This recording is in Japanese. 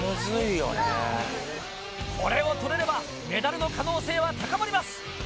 これを取れればメダルの可能性は高まります。